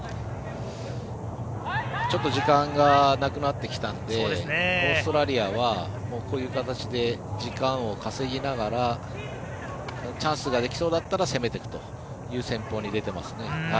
ちょっと時間がなくなってきたのでオーストラリアはこういう形で時間を稼ぎながらチャンスができそうだったら攻めていくという戦法に出ていますね。